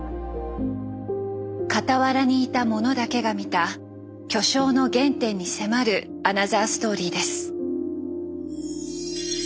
傍らにいた者だけが見た巨匠の原点に迫るアナザーストーリーです。